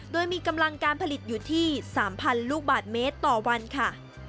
โดยมีกำลังการผลิตอยู่ที่๓๐๐ลูกบาทเมตรต่อวันค่ะ